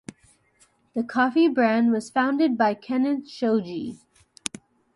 The coffee brand was founded by Kenneth Shoji.